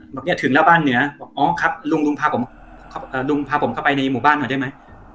บอกเนี่ยถึงแล้วบ้านเหนือบอกอ๋อครับลุงลุงพาผมลุงพาผมเข้าไปในหมู่บ้านหน่อยได้ไหม